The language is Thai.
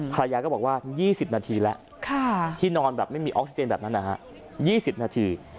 ภรรยาก็บอกว่า๒๐นาทีแล้วที่นอนแบบไม่มีออกซิเจนแบบนั้นนะฮะ๒๐นาที